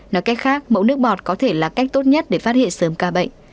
nói cách khác mẫu nước bọt có thể là cách tốt nhất để phát hiện sớm ca bệnh